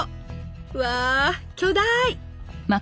うわ巨大！